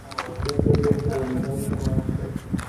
Nu trebuie să îi obligăm să mai aștepte.